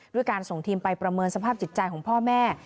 ด้วยการส่งทีมไปประเมินสภาพจิตใจของพ่อแม่